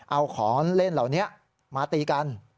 เอาของเล่นเหล่านี้มาตีกัน